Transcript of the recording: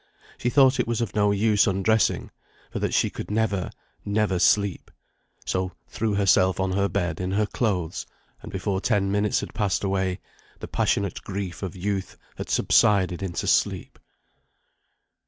She thought it was of no use undressing, for that she could never, never sleep, so threw herself on her bed in her clothes, and before ten minutes had passed away, the passionate grief of youth had subsided into sleep.